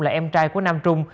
là em trai của nam trung